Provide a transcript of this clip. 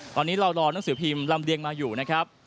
ตอนนี้เรารอนังสือพิมพ์ลำเรียงมาอยู่นะครับ